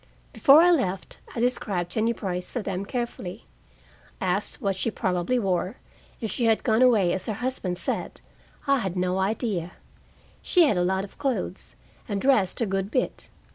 Before I left, I described Jennie Brice for them carefully. Asked what she probably wore, if she had gone away as her husband said, I had no idea; she had a lot of clothes, and dressed a good bit.